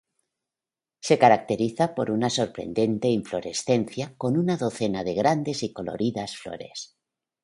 Se caracteriza por una sorprendente inflorescencia con una docena de grandes y coloridas flores.